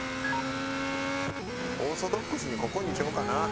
オーソドックスにここにしようかな。